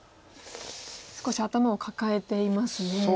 少し頭を抱えていますね。